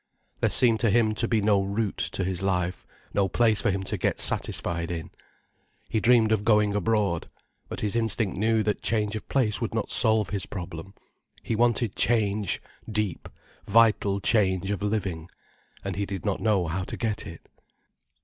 There seemed to him to be no root to his life, no place for him to get satisfied in. He dreamed of going abroad. But his instinct knew that change of place would not solve his problem. He wanted change, deep, vital change of living. And he did not know how to get it.